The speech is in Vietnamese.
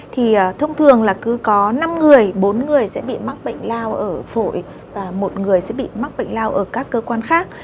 thì thông thường là cứ có năm người bốn người sẽ bị mắc bệnh lao ở phổi và một người sẽ bị mắc bệnh lao ở các cơ quan khác